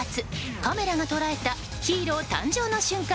カメラが捉えたヒーロー誕生の瞬間